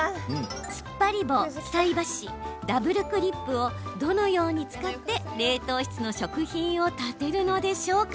つっぱり棒、菜箸ダブルクリップをどのように使って冷凍室の食品を立てるでしょうか。